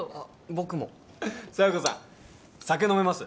僕も佐弥子さん酒飲めます？